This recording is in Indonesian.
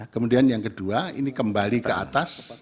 kemudian yang kedua ini kembali ke atas